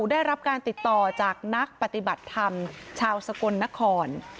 ได้รับการติดต่อจากนักปฏิบัติธรรมชาวสกลนคร